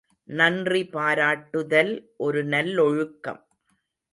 நன்றி பாராட்டுதல் ஒரு நல்லொழுக்கம்.